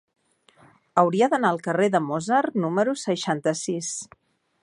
Hauria d'anar al carrer de Mozart número seixanta-sis.